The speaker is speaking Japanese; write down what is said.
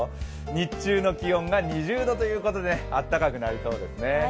日中の気温が２０度ということで暖かくなりそうですね。